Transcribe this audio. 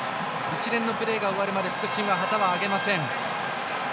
一連のプレーが終わるまで副審は旗を上げません。